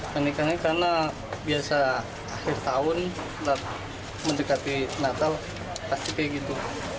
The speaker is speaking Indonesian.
kenikannya karena biasa akhir tahun mendekati natal pasti kayak gitu